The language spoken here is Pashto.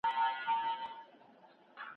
ادارې خلګو ته خدمت کړی دی.